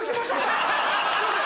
すいません